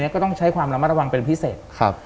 ก็ต้องใช้ความระมัดระวังเป็นพิเศษ